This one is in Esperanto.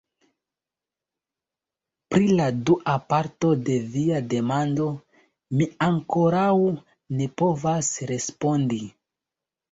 Pri la dua parto de via demando mi ankoraŭ ne povas respondi.